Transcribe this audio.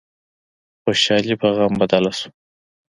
خوشحالي په غم بدله شوه.